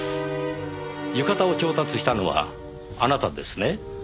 浴衣を調達したのはあなたですね？